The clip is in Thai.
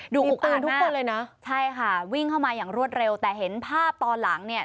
ดูอุ๊กอาดมากใช่ค่ะวิ่งเข้ามาอย่างรวดเร็วแต่เห็นภาพตอนหลังเนี่ย